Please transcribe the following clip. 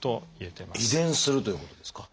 遺伝するということですか？